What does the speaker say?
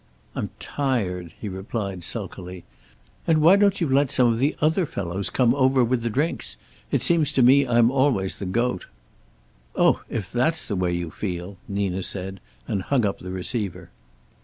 "I'm tired," he replied, sulkily. "And why don't you let some of the other fellows come over with the drinks? It seems to me I'm always the goat." "Oh, if that's the way you feel!" Nina said, and hung up the receiver.